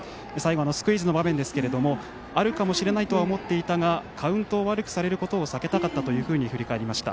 スクイズの場面ですがあるかもしれないとは思っていたがカウントを悪くされることを避けたかったというふうに振り返りました。